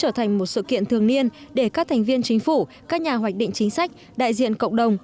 trở thành một sự kiện thường niên để các thành viên chính phủ các nhà hoạch định chính sách đại diện cộng đồng